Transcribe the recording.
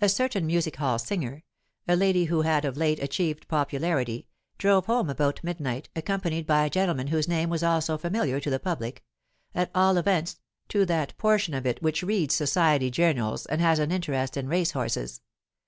A certain music hall singer, a lady who had of late achieved popularity, drove home about midnight, accompanied by a gentleman whose name was also familiar to the public at all events, to that portion of it which reads society journals and has an interest in race horses.